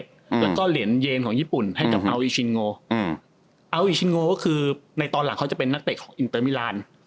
แล้วก็เหรียญเยนของญี่ปุ่นให้กับอัลอิชินโงอืมอัลอิชินโงก็คือในตอนหลังเขาจะเป็นนักเตะของอินเตอร์มิลาน